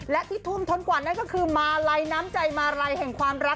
และที่ทุ่มทนกว่านั่นก็คือมาลัยน้ำใจมาลัยแห่งความรัก